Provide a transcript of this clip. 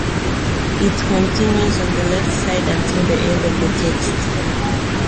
It continues on the left side until the end of the text.